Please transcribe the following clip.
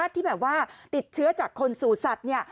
ที่แบบว่าติดเชื้อจากคนสู่สัตว์เนี่ย